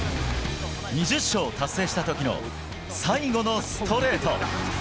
２０勝達成した時の最後のストレート。